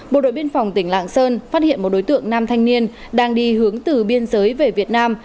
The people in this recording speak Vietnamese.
bộ đội biên phòng tỉnh lạng sơn phát hiện một đối tượng nam thanh niên đang đi hướng từ biên giới về việt nam